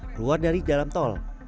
keluar dari jalan tol